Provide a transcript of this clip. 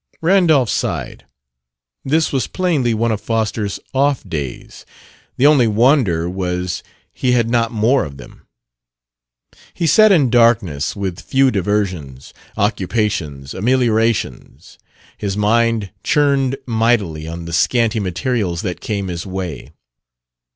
Randolph sighed. This was plainly one of Foster's off days. The only wonder was he had not more of them. He sat in darkness, with few diversions, occupations, ameliorations. His mind churned mightily on the scanty materials that came his way.